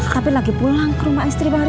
tapi lagi pulang ke rumah istri baru